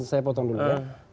saya potong dulu ya